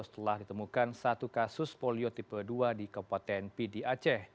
setelah ditemukan satu kasus polio tipe dua di kabupaten pdi aceh